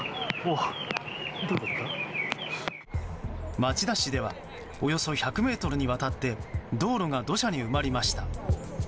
町田市ではおよそ１００ｍにわたって道路が土砂に埋まりました。